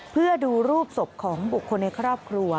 เพื่อดูรูปศพของบุคคลในครอบครัว